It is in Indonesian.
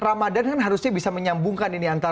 ramadhan kan harusnya bisa menyambungkan ini